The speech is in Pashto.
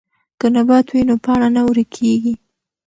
که نبات وي نو پاڼه نه ورکیږي.